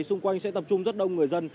xung quanh sẽ tập trung rất đông người dân